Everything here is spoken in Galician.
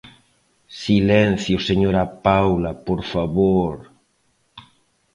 ¡Silencio, señora Paula, por favor!